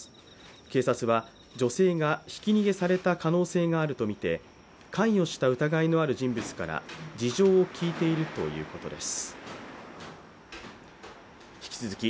警察は女性がひき逃げされた可能性があるとみて関与した疑いのある人物から事情を聴いているということです。